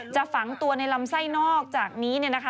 จะฝังตัวในลำไส้นอกจากนี้นะคะ